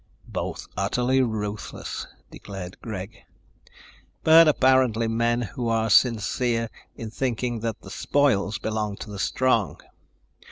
"Both utterly ruthless," declared Greg. "But apparently men who are sincere in thinking that the spoils belong to the strong.